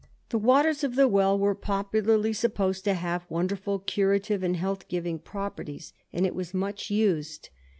The waters of the well were popularly supposed to have wonderful curative and health giving properties, and it was much used.